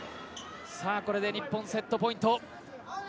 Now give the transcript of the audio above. これで日本、セットポイント。